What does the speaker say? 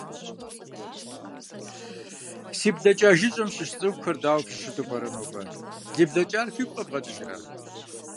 Си блакӏа жыжьэм щыщ цӏыхухэр, дау фыщыту пӏэрэ нобэ - ди блэкӏар фигу къэвгъэкӏыжырэ?